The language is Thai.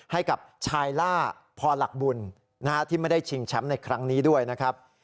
ให้กับชายล่าพอหลักบุญที่ไม่ได้ชิงแชมป์ในครั้งนี้ด้วยนะครับ